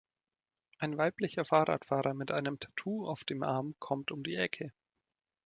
Ein weiblicher Fahrradfahrer mit einem Tattoo auf dem Arm kommt um die Ecke.